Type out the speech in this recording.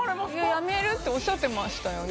やめるっておっしゃってましたよね。